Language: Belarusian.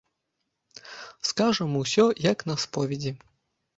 Скажам усё, як на споведзі.